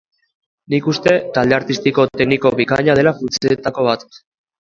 Nik uste talde artistiko-tekniko bikaina dela funtsetako bat.